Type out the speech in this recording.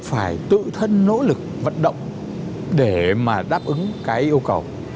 phải tự thân nỗ lực vận động để mà đáp ứng cái yêu cầu